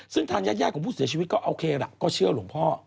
ซึ่งทางญาติของผู้เสียชีวิตก็โอเคล่ะก็เชื่อหลวงพ่อ